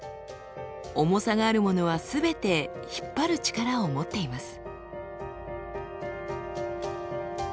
重さがあるものはすべて引っ張る力を持っています。